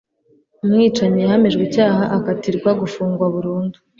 umwicanyi yahamijwe icyaha akatirwa gufungwa burundu